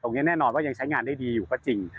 แน่นอนว่ายังใช้งานได้ดีอยู่ก็จริง